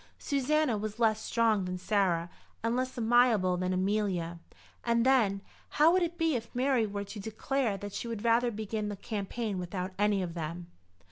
Susanna was less strong than Sarah and less amiable than Amelia. And then, how would it be if Mary were to declare that she would rather begin the campaign without any of them?